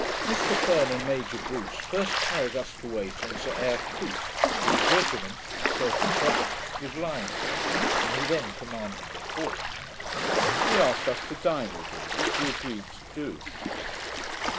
Mr Ferne and Major Brewse first carried us to wait on Sir Eyre Coote, whose regiment, the 37th, was lying here, and who then commanded the fort. He asked us to dine with him, which we agreed to do.